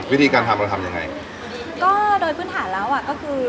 วิธีการทำเราทำยังไงก็โดยพื้นฐานแล้วอ่ะก็คือ